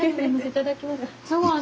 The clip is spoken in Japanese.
いただきます。